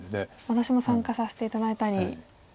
私も参加させて頂いたり。